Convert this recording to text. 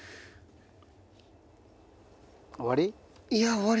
終わり？